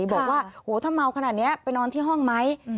บอกว่าโหถ้าเมาขนาดนี้ไปนอนที่ห้องไหม